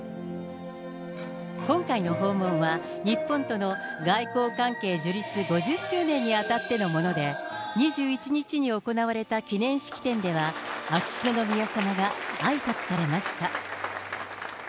今回の訪問は、日本との外交関係樹立５０周年に当たってのもので、２１日に行われた記念式典では、秋篠宮さまがあいさつされました。